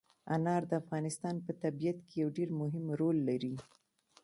انار د افغانستان په طبیعت کې یو ډېر مهم رول لري.